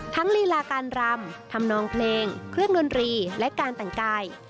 ลีลาการรำทำนองเพลงเครื่องดนตรีและการแต่งกาย